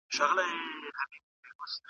د کورنۍ رول په اجتماعي پوهه کې اهمیت لري.